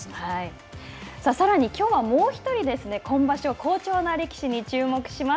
さらにきょうはもう１人、今場所好調な力士に注目します。